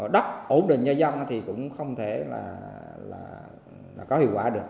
đất ổn định cho dân thì cũng không thể là có hiệu quả được